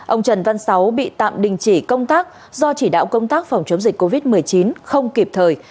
ông trần văn sáu bị tạm đình chỉ công tác do chỉ đạo công tác phòng chống dịch covid một mươi chín không kịp thời